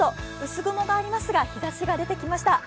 薄雲がありますが日ざしが出てきました。